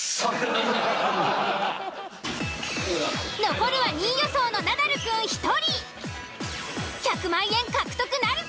残るは２位予想のナダルくん１人。